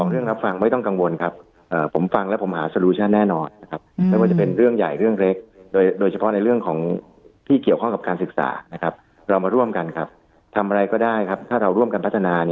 เรามาร่วมกันครับทำอะไรก็ได้ครับถ้าเราร่วมกันพัฒนา